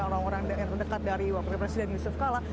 orang orang yang terdekat dari wakil presiden yusuf kala